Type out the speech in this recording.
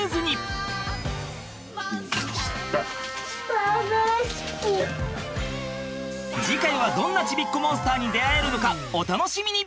大変だった次回はどんなちびっこモンスターに出会えるのかお楽しみに！